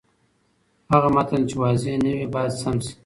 هغه متن چې واضح نه وي، باید سم شي.